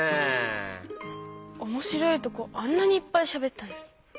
おもしろいとこあんなにいっぱいしゃべったのに。